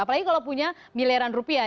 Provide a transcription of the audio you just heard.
apalagi kalau punya miliaran rupiah